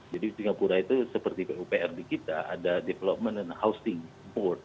jadi singapura itu seperti pupr di kita ada development and housing board